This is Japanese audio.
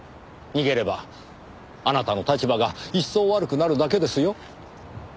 逃げればあなたの立場が一層悪くなるだけですよ。